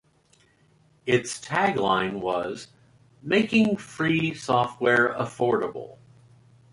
Its tagline was: "Making free software affordable".